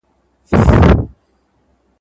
په ځینو مواردو کي، پښتو داسي لغاتونه ساتلي دي، چي